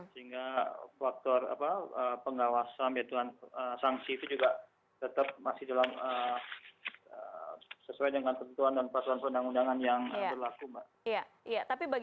sehingga faktor pengawasan yaitu sanksi itu juga tetap masih sesuai dengan tentuan dan pasuan perundang undangan yang berlaku mbak